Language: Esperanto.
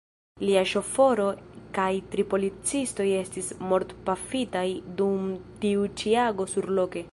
Lia ŝoforo kaj tri policistoj estis mortpafitaj dum tiu ĉi ago surloke.